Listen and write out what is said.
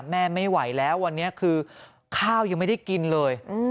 แม่ไม่ไหวแล้ววันนี้คือข้าวยังไม่ได้กินเลย